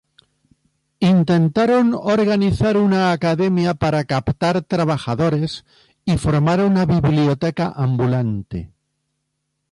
Intentaron organizar una academia para captar trabajadores y formar una biblioteca ambulante.